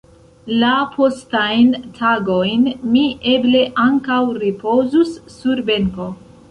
La postajn tagojn mi eble ankaŭ ripozus sur benko.